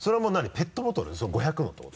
ペットボトル５００のってこと？